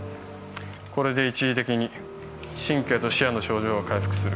これで一時的に神経と視野の症状が回復する